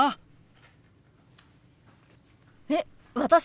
えっ私？